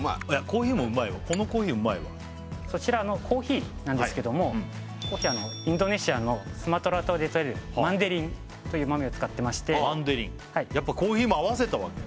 コーヒーもうまいわこのコーヒーうまいわそちらのコーヒーなんですけどもインドネシアのスマトラ島で採れるマンデリンという豆を使ってましてマンデリンやっぱコーヒーも合わせたわけ？